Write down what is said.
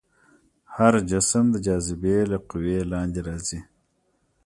هر جسم د جاذبې له قوې لاندې راځي.